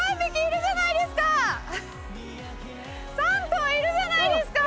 ３頭いるじゃないですか！